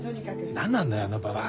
何なんだよあのババア。